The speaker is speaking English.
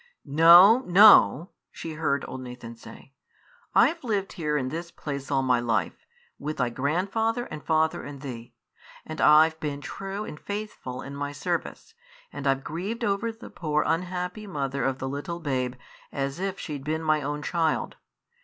"No, no!" she heard old Nathan say; "I've lived here in this place all my life, with thy grandfather and father and thee, and I've been true and faithful in my service, and I've grieved over the poor unhappy mother of the little babe as if she'd been my own child.